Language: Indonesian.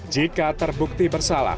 jika terbukti bersalah